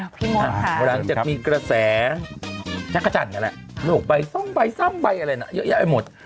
พี่มอร์ควรังจะมีกระแสชักกระจัดกันแหละไม่บอกใบซ่อมใบซ่อมใบอะไรน่ะเยอะแยะไปหมด